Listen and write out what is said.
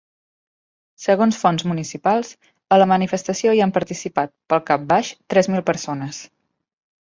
Segons fonts municipals, a la manifestació hi han participat, pel cap baix, tres mil persones.